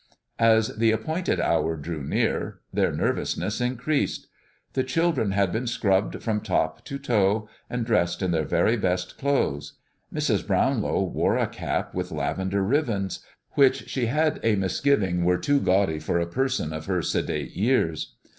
As the appointed hour drew near, their nervousness increased. The children had been scrubbed from top to toe, and dressed in their very best clothes; Mrs. Brownlow wore a cap with lavender ribbons, which she had a misgiving were too gaudy for a person of her sedate years.